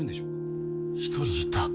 一人いた。